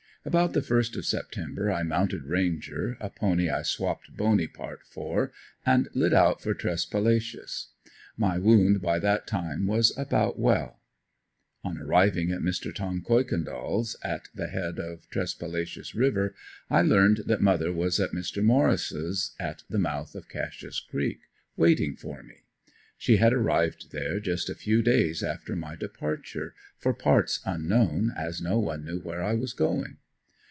About the first of September I mounted Ranger, a pony I swapped Boney part for and lit out for Tresspalacious. My wound by that time was about well. On arriving at Mr. "Tom" Kuykendall's at the head of Tresspalacious river, I learned that mother was at Mr. Morris', at the mouth of Cashe's creek, waiting for me. She had arrived there just a few days after my departure for parts unknown, as no one knew where I was going.